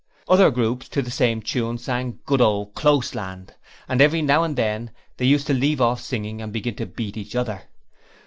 Other groups to the same tune sang 'Good ole Close land'; and every now and again they used to leave off singing and begin to beat each other.